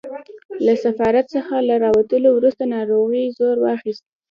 له سفارت څخه له راوتلو وروسته ناروغۍ زور واخیست.